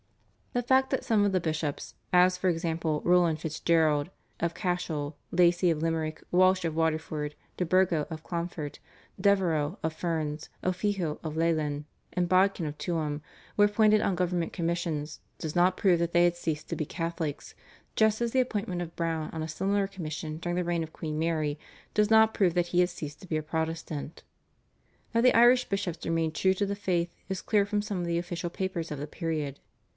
The fact that some of the bishops, as for example Roland Fitzgerald of Cashel, Lacy of Limerick, Walsh of Waterford, De Burgo of Clonfert, Devereux of Ferns, O'Fihil of Leighlin, and Bodkin of Tuam, were appointed on government commissions does not prove that they had ceased to be Catholics, just as the appointment of Browne on a similar commission during the reign of Queen Mary does not prove that he had ceased to be a Protestant. That the Irish bishops remained true to the faith is clear from some of the official papers of the period.